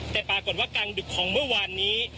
แต่ปรากฏว่ากลางดึกของเมื่อวานนี้